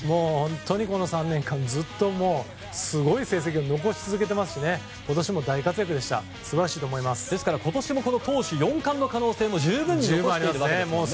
この３年間ずっとすごい成績を残し続けていますし今年も大活躍でですから今年、投手４冠の可能性も十分に残していると。